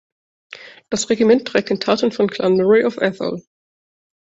Das Regiment trägt den Tartan von Clan Murray of Atholl.